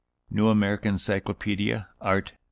("New American Cyclopædia," art.